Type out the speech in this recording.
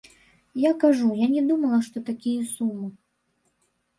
Я кажу, я не думала, што такія сумы.